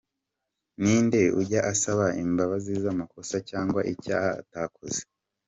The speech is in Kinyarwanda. Ni nde ujya asaba imbabazi z’amakosa cg icyaha atakoze ?